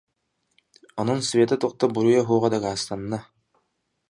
Онон Света туох да буруйа суоҕа дакаастанна